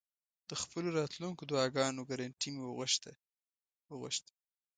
د خپلو راتلونکو دعاګانو ګرنټي مې وغوښته.